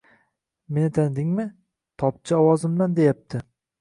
Mani tanidingmi? Topchi ovozimdan" deyapti.